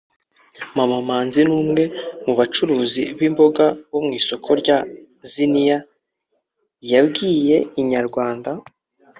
Mama Manzi n’umwe mu bacuruzi b’imboga bo mu isoko rya Ziniya yabwiye inyarwanda